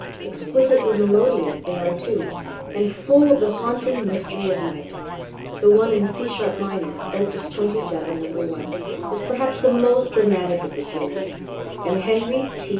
Exquisitely melodious they are, too, and full of the haunting mystery of night. The one in C sharp minor, Opus 27, No. 1, is perhaps the most dramatic of the series, and Henry T.